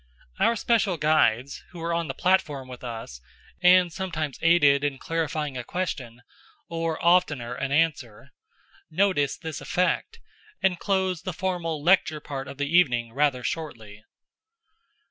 Our special guides, who were on the platform with us, and sometimes aided in clarifying a question or, oftener, an answer, noticed this effect, and closed the formal lecture part of the evening rather shortly.